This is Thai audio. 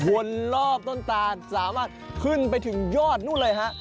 วนรอบต้นตาลสามารถขึ้นไปถึงยอดนู่นเลยฮะ